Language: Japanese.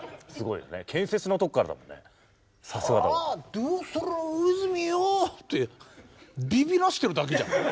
「さあどうする大泉洋！」ってビビらしてるだけじゃん。